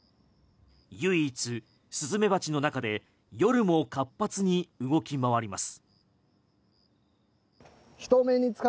唯一、スズメバチの中で夜も活発に動き回ります。